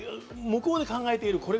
向こうで考えている。